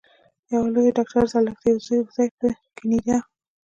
او يوه لورډاکټره زرلښته يوسفزۍ پۀ کنېډا